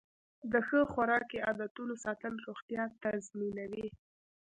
د ښه خوراکي عادتونو ساتل روغتیا تضمینوي.